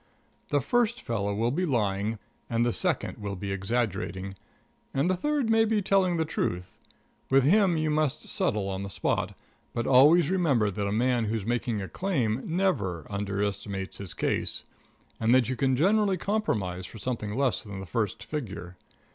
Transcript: The first fellow will be lying, and the second will be exaggerating, and the third may be telling the truth. With him you must settle on the spot; but always remember that a man who's making a claim never underestimates his case, and that you can generally compromise for something less than the first figure.